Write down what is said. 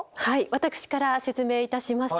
私から説明いたします。